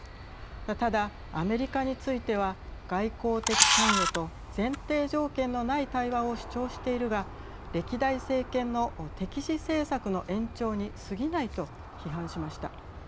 ただ、アメリカについては外交的関与と前提条件のない対話を主張しているが歴代政権の敵視政策の延長に過ぎないと批判しました。